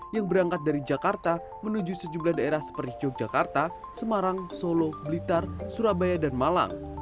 yang berangkat dari jakarta menuju sejumlah daerah seperti yogyakarta semarang solo blitar surabaya dan malang